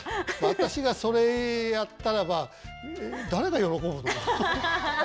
私がそれやったらば誰が喜ぶの？